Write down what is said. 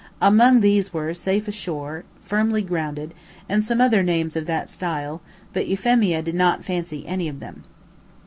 Among these were: "Safe Ashore," "Firmly Grounded," and some other names of that style, but Euphemia did not fancy any of them.